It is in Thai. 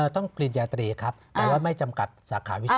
ปริญญาตรีครับแต่ว่าไม่จำกัดสาขาวิชา